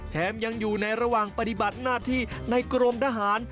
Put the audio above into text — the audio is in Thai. แถมยังอยู่ในระหว่างปฏิบัติหน้าที่ในกรมทหาร